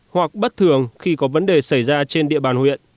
hoặc bất thường khi có vấn đề xảy ra trên địa bàn huyện